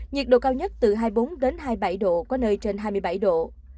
nhiệt độ cao nhất từ hai mươi bốn đến hai mươi bảy độ có nơi trên hai mươi bảy độ